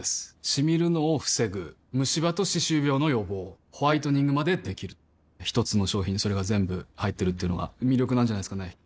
シミるのを防ぐムシ歯と歯周病の予防ホワイトニングまで出来る一つの商品にそれが全部入ってるっていうのが魅力なんじゃないですかね